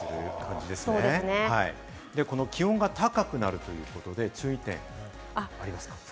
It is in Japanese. この気温が高くなるということで、注意点ありますか？